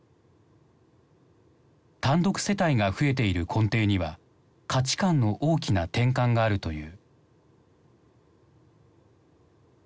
単独世帯が増えている根底には価値観の大きな転換があるという。